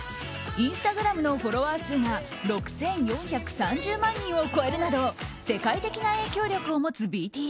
インスタグラムのフォロワー数が６４３０万人を超えるなど世界的な影響力を持つＢＴＳ。